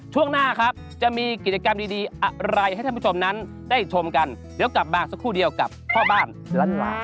ช่วงหน้าครับจะมีกิจกรรมดีอะไรให้ท่านผู้ชมนั้นได้ชมกันเดี๋ยวกลับมาสักครู่เดียวกับพ่อบ้านล้านลา